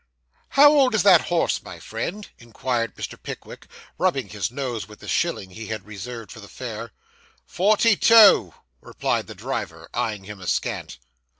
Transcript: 'How old is that horse, my friend?' inquired Mr. Pickwick, rubbing his nose with the shilling he had reserved for the fare. 'Forty two,' replied the driver, eyeing him askant.